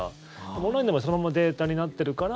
オンラインの場合、そのままデータになってるから。